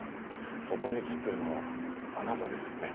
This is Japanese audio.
そこに写ってるのはあなたですよね？